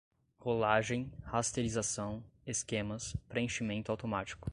rolagem, rasterização, esquemas, preenchimento automático